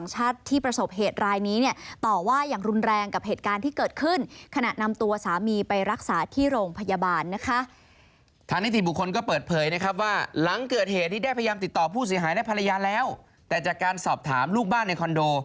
เหตุที่ได้พยายามติดต่อผู้เสียหายได้ภรรยาแล้วแต่จากการสอบถามลูกบ้านในคอนโด